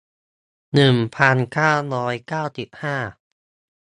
หนึ่งพันเก้าร้อยเก้าสิบห้า